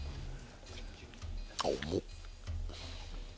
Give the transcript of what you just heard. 重っ。